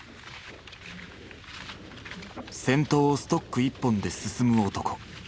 先頭をストック１本で進む男。